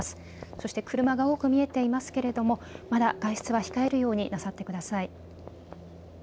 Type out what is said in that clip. そして車が多く見えていますけれどもまだ外出は控えるようにしてください。